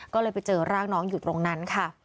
ก็เลยไปเจอร่างน้องอยู่ตรงนั้นค่ะ